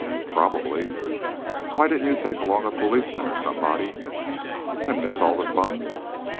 "Probably." "Why didn't you take along a policeman or somebody?" "And miss all the fun?